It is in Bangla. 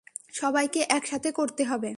সবাইকে একসাথে করতে হবে।